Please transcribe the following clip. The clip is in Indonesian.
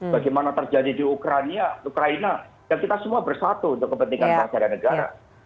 bagaimana terjadi di ukraina ukraina dan kita semua bersatu untuk kepentingan bangsa dan negara